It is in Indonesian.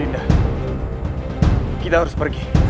dinda kita harus pergi